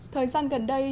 thời gian gần đây